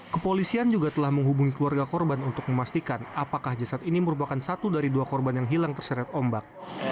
kepolisian juga telah menghubungi keluarga korban untuk memastikan apakah jasad ini merupakan satu dari dua korban yang hilang terseret ombak